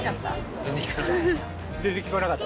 聞こえなかった？